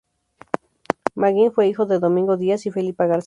Magín fue hijo de Domingo Díaz y Felipa García.